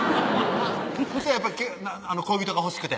それはやっぱり恋人が欲しくて？